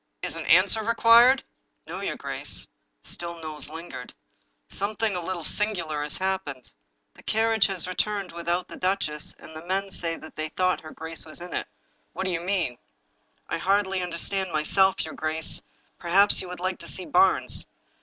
"Is an answer required?" " No, your grace." Still Knowles lingered. " Some thing a little singular has happened. The carriage has re turned without the duchess, and the men say that they thought her grace was in it" " What do you mean? "" I hardly understand myself, your grace. Perhaps you would like to see Barnes."